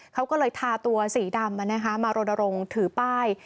เขาก็เลยทาตัวสีดำมารณรงค์ถือป้าย